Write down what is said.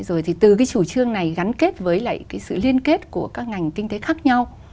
rồi thì từ cái chủ trương này gắn kết với lại cái sự liên kết của các ngành kinh tế khác nhau